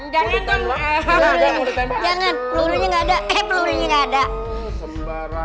jangan pelurunya gak ada